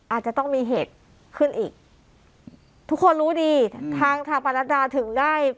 อาจจะต้องมีเหตุขึ้นอีกทุกคนรู้ดีทางทางประนัดดาถึงได้